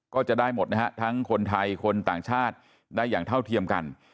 ก็จะได้หมดนะฮะทั้งคนไทยคนต่างชาติได้อย่างเท่าเทียมกัน